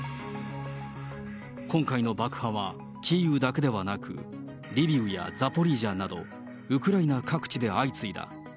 今回の爆破は、キーウだけではなく、リビウやザポリージャなど、ウクライナ各地で相次いだ。